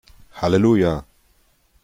Halleluja!